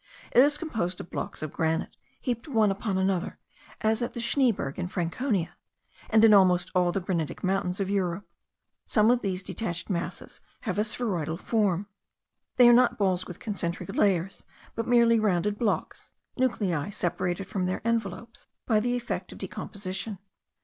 It is composed of blocks of granite, heaped one upon another, as at the Schneeberg in Franconia, and in almost all the granitic mountains of Europe. Some of these detached masses have a spheroidal form; they are not balls with concentric layers, but merely rounded blocks, nuclei separated from their envelopes by the effect of decomposition.